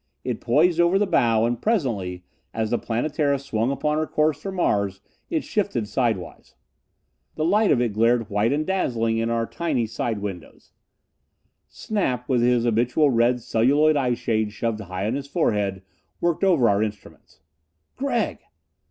It poised over the bow, and presently, as the Planetara swung upon her course for Mars, it shifted sidewise. The light of it glared white and dazzling in our tiny side windows. Snap, with his habitual red celluloid eyeshade shoved high on his forehead, worked over our instruments. "Gregg!"